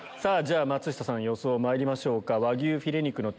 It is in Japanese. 松下さん予想まいりましょうか。